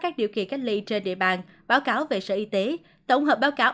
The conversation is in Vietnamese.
các điều kiện cách ly trên địa bàn báo cáo về sự y tế tổng hợp báo cáo